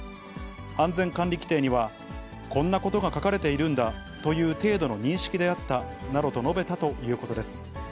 安全管理規程にはこんなことが書かれているんだという程度の認識であったなどと述べたということです。